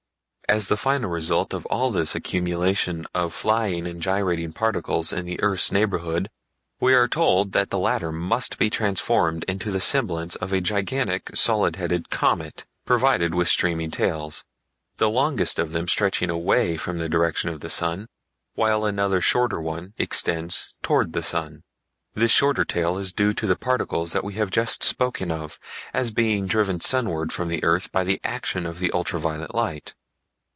As the final result of all this accumulation of flying and gyrating particles in the earth's neighborhood, we are told that the latter must be transformed into the semblance of a gigantic solid headed comet provided with streaming tails, the longest of them stretching away from the direction of the sun, while another shorter one extends toward the sun. This shorter tail is due to the particles that we have just spoken of as being driven sunward from the earth by the action of ultra violet light.